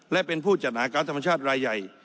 และเป็นผู้จัดหาการ์ดธรรมชาติรายใหญ่